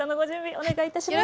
お願いします。